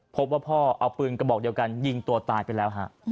พบว่าพ่อเอาปืนกระบอกเดียวกันยิงตัวตายไปแล้วฮะ